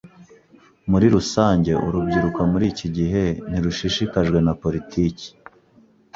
Muri rusange, urubyiruko muri iki gihe ntirushishikajwe na politiki.